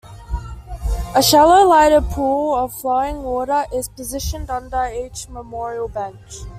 A shallow lighted pool of flowing water is positioned under each memorial bench.